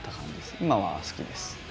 今は好きです。